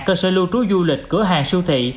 cơ sở lưu trú du lịch cửa hàng siêu thị